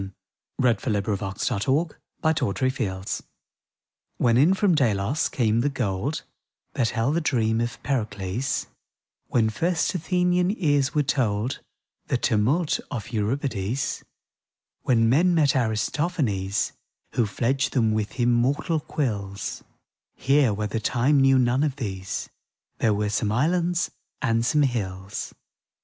•^ THE WHITE LIGHTS (BROADWAY, 1906) When in from Delos came the gold That held the dream of Pericles, When first Athenian ears were told The tumult of Euripides, When men met Aristophanes, Who fledged them with immortal quills — Here, where the time knew none of these, There were some islands and some hills.